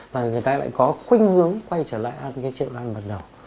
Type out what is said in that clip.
và người ta lại có khuyên hướng quay trở lại ăn cái chế độ ăn ban đầu